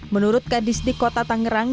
menurut kadis di kota tangerang